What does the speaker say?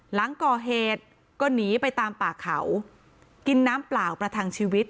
หลังก่อเหตุก็หนีไปตามป่าเขากินน้ำเปล่าประทังชีวิต